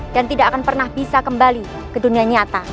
dan tidak akan pernah bisa kembali ke dunia nyata